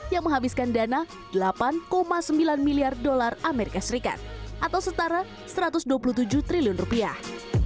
yang menghabiskan dana delapan sembilan miliar dolar as atau setara satu ratus dua puluh tujuh triliun rupiah